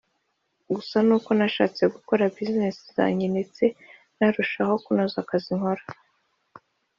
gusa ni uko nashatse gukora business zanjye ndetse narushaho kunoza akazi nkora